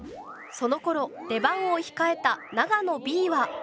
そのころ出番を控えた長野Ｂは。